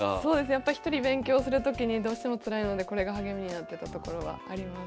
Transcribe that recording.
やっぱ一人勉強するときにどうしてもつらいのでこれが励みになってたところはあります。